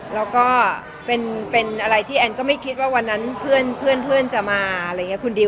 แล้วก็เป็นเป็นอะไรที่แอนก็ไม่คิดว่าวันนั้นเพื่อนเพื่อนจะมาอะไรอย่างเงี้ย